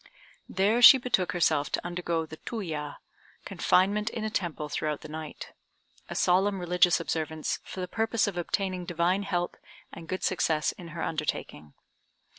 There she betook herself to undergo the "Tooya" (confinement in a temple throughout the night), a solemn religious observance for the purpose of obtaining divine help and good success in her undertaking.